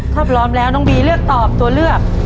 ถ้าพร้อมแล้วน้องบีเลือกตอบตัวเลือก